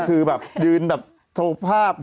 คือแบบยืนแบบโชว์ภาพ